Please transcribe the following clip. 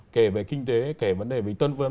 kể về kinh tế kể vấn đề về tân vấn